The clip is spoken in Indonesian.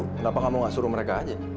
kenapa kamu gak suruh mereka aja